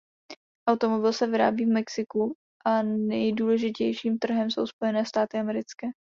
Automobil se vyrábí v Mexiku a nejdůležitějším trhem jsou Spojené státy americké.